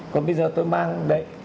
còn bây giờ tôi mang